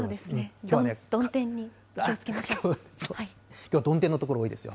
きょうは曇天の所多いですよ。